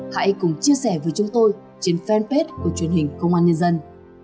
hãy cùng chia sẻ với chúng tôi trên fanpage của truyền hình công an nhân dân